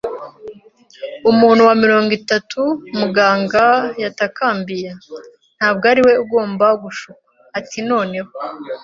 “Umuntu wa mirongo itatu!” muganga yatakambiye. “Ntabwo ari we ugomba gushukwa.” Ati: “Noneho.”